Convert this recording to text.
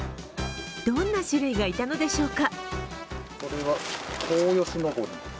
どんな種類がいたのでしょうか？